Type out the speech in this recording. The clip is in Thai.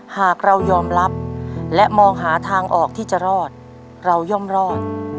หากเรายอมรับและมองหาทางออกที่จะรอดเราย่อมรอด